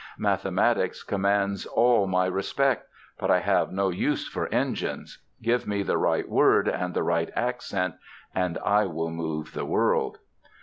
Mathematics commands all my respect, but I have no use for engines. Give me the right word and the right accent and I will move the world.